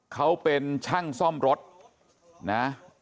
เขาเป็นช่างซ่อมรถนะ